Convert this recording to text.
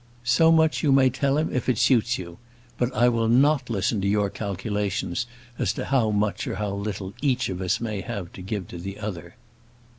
So much you may tell him if it suits you; but I will not listen to your calculations as to how much or how little each of us may have to give to the other."